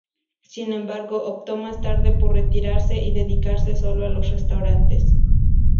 Sin embargo, optó más tarde por retirarse y dedicarse sólo a los restaurantes.